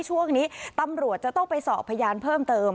ช่วงนี้ตำรวจจะต้องไปสอบพยานเพิ่มเติม